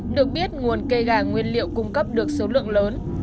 được biết nguồn cây gà nguyên liệu cung cấp được số lượng lớn